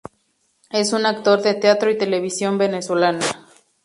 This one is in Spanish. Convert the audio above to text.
Es un actor de teatro y televisión venezolana.